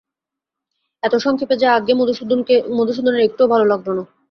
এত সংক্ষেপে যে আজ্ঞে মধুসূদনের একটুও ভালো লাগল না।